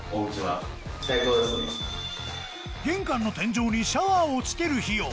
玄関の天井にシャワーを付ける費用